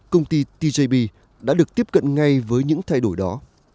công ty tjbb đã được tiếp cận ngay với những thay đổi đó